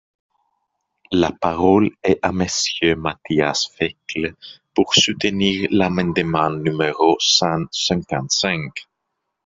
La parole est à Monsieur Matthias Fekl, pour soutenir l’amendement numéro cent cinquante-cinq.